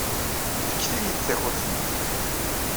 Fket-iyi-d takurt-nni!